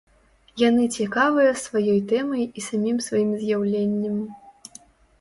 Яны цікавыя сваёй тэмай і самім сваім з'яўленнем.